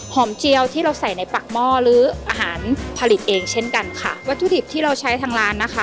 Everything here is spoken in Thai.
เจียวที่เราใส่ในปากหม้อหรืออาหารผลิตเองเช่นกันค่ะวัตถุดิบที่เราใช้ทางร้านนะคะ